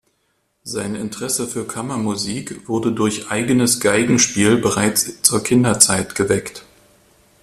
Sein Interesse für Kammermusik wurde durch eigenes Geigenspiel bereits zur Kinderzeit geweckt.